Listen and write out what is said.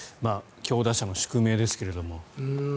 強打者の宿命ですけれども。